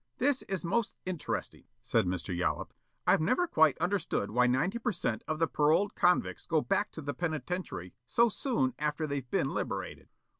"This is most interesting," said Mr. Yollop. "I've never quite understood why ninety per cent of the paroled convicts go back to the penitentiary so soon after they've been liberated."